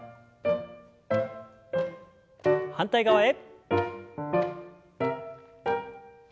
反対側へ。